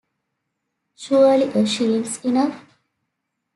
Surely a shilling's enough?